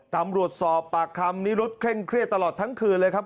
ตำรวจสอบปากคำนิรุธเคร่งเครียดตลอดทั้งคืนเลยครับ